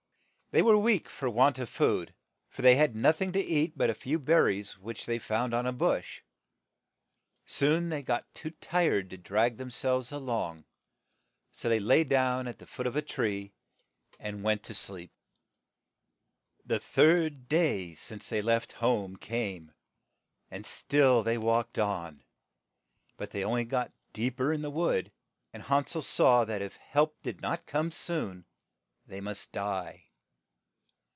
They were weak for want of food, for they had noth ing to eat but a few ber ries which they found on a bush. Soon they got too tired to drag HANSEL AND GRETHEL them selves a long, so they lay down at the foot of a tree and went to sleep. The third day since they left home came, and still they walked on, but they on ly got deep er in the wood, and Han sel saw that if help did not come soon they must die.